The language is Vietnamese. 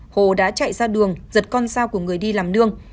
hồ đã chạy ra đường giật con sao của người đi làm đường